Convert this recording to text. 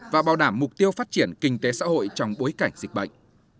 và bảo đảm mục tiêu phát triển kinh tế xã hội trong bối cảnh dịch bệnh